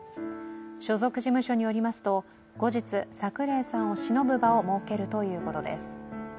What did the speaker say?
所属事務所によりますと、後日、櫻井さんをしのぶ場を設けるということです。